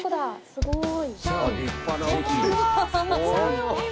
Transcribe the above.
すごい。